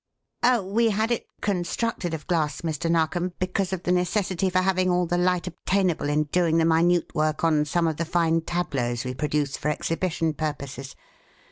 Oh, we had it constructed of glass, Mr. Narkom, because of the necessity for having all the light obtainable in doing the minute work on some of the fine tableaux we produce for execution purposes.